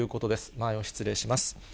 前を失礼します。